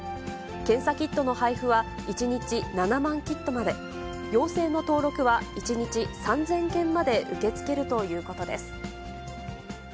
検査キットの配布は、１日７万キットまで、陽性の登録は、１日３０００件まで受け付けるということです。